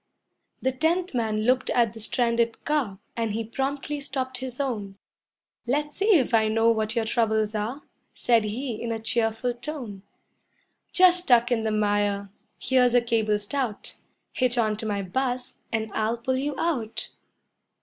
The tenth man looked at the stranded car, And he promptly stopped his own. "Let's see if I know what your troubles are," Said he in a cheerful tone; "Just stuck in the mire. Here's a cable stout, Hitch onto my bus and I'll pull you out."